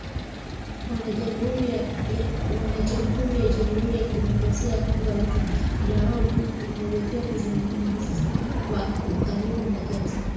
Wanajamuhuri ya jamuhuri ya Kidemokrasia ya Kongo walitumia muda wao mwingi waliopewa kuzungumza kwa ukaribu na Jackson